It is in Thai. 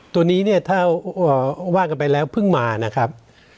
ตัวนี้เนี่ยถ้าว่างกันไปแล้วเพิ่งมานะครับ